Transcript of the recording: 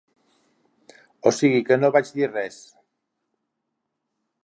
O sigui que no vaig dir res.